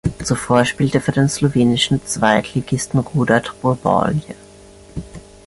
Zuvor spielte er für den slowenischen Zweitligisten Rudar Trbovlje.